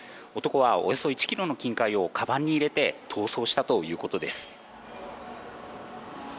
男はおよそ１キロの金塊をかばんに入れて、逃走したということです。